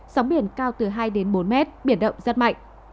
sóng biển cao từ hai đến bốn mét biển động rất mạnh